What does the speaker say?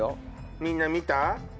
みんな見た？